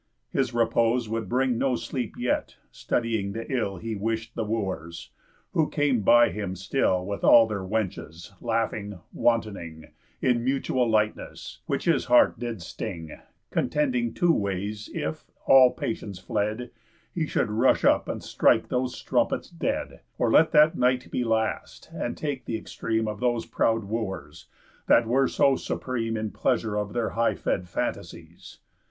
His repose Would bring no sleep yet, studying the ill He wish'd the Wooers; who came by him still With all their wenches, laughing, wantoning, In mutual lightness; which his heart did sting, Contending two ways, if, all patience fled, He should rush up and strike those strumpets dead, Or let that night be last, and take th' extreme Of those proud Wooers, that were so supreme In pleasure of their high fed fantasies.